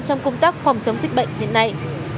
trong công tác phòng chống dịch bệnh hiện nay